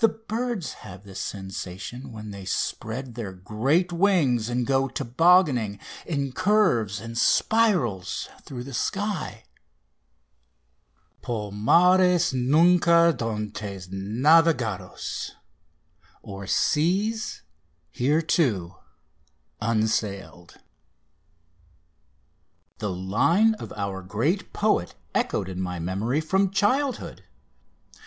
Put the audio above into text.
The birds have this sensation when they spread their great wings and go tobogganning in curves and spirals through the sky! Por mares nunca d'antes navegados! (O'er seas hereto unsailed.) The line of our great poet echoed in my memory from childhood.